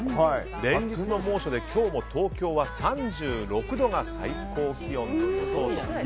連日の猛暑で今日も東京は３６度が最高気温の予想